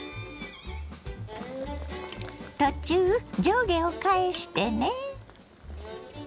途中上下を返してね。